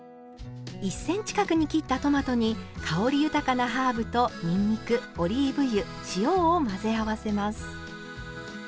１ｃｍ角に切ったトマトに香り豊かなハーブとにんにくオリーブ油塩を混ぜ合わせます。